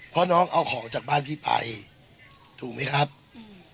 เพราะน้องเอาของจากบ้านพี่ไปถูกไหมครับอืม